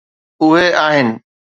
اهي آهن.